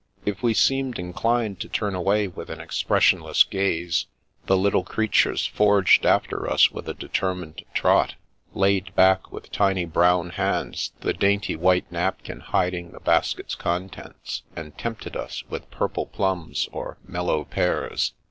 If we seemed inclined to turn away with an expressionless gaze, the little creatures forged after us with a determined trot, laid bade with tiny brown hands the dainty white napkin 2o6 The Princess Passes hiding the basket's contents, and tempted us with purple plums or mellow pears.